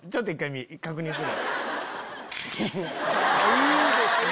いいですね。